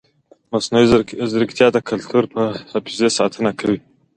مصنوعي ځیرکتیا د کلتوري حافظې ساتنه کوي.